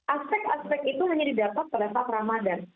aspek aspek itu hanya didapat pada saat ramadan